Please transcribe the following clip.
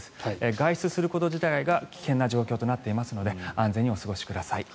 外出すること自体が危険な状況となっていますので安全にお過ごしください。